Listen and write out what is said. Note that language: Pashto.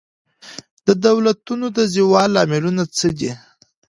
د دولتونو د زوال لاملونه څه دي؟